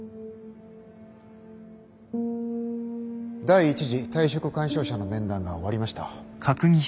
第一次退職勧奨者の面談が終わりました。